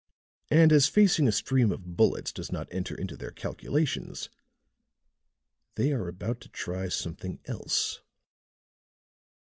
"And as facing a stream of bullets does not enter into their calculations, they are about to try something else."